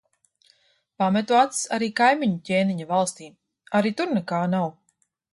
Pametu acis arī kaimiņu ķēniņa valstī. Arī tur nekā nav.